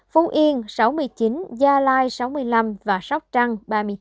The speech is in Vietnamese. phú yên sáu mươi chín gia lai sáu mươi năm sóc trăng ba mươi tám